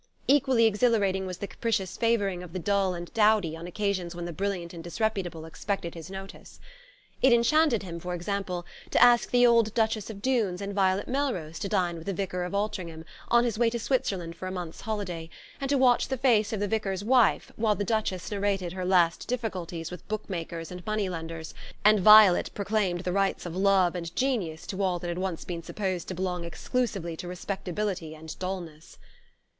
Equally exhilarating was the capricious favouring of the dull and dowdy on occasions when the brilliant and disreputable expected his notice. It enchanted him, for example, to ask the old Duchess of Dunes and Violet Melrose to dine with the Vicar of Altringham, on his way to Switzerland for a month's holiday, and to watch the face of the Vicar's wife while the Duchess narrated her last difficulties with book makers and money lenders, and Violet proclaimed the rights of Love and Genius to all that had once been supposed to belong exclusively to Respectability and Dulness.